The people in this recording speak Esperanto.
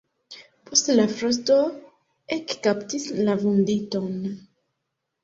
Poste la frosto ekkaptis la vunditon.